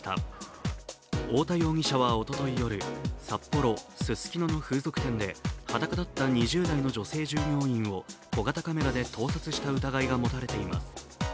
太田容疑者は、おととい夜札幌ススキノの風俗店で裸だった２０代の女性従業員を小型カメラで盗撮した疑いが持たれています。